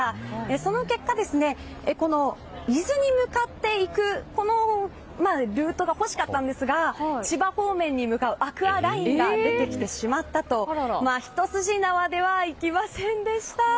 その結果、伊豆に向かって行くルートが欲しかったんですが千葉方面に向かうアクアラインが出てきてしまったとひと筋縄ではいきませんでした。